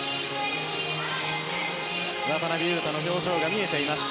渡邊雄太の表情が見えました。